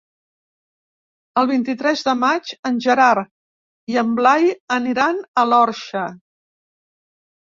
El vint-i-tres de maig en Gerard i en Blai aniran a l'Orxa.